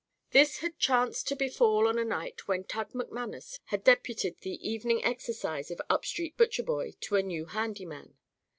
This had chanced to befall on a night when Tug McManus had deputed the evening exercising of Upstreet Butcherboy to a new handy man.